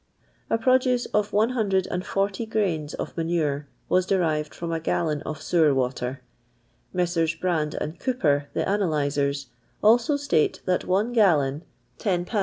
A produce of 140 grains of manure was derived from a gallon of sewer water. Messrs. Brande and Cooper, the analyzers, also state that one gallon (10 lbs.